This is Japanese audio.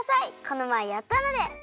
このまえやったので！